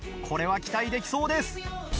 これは期待できそうです。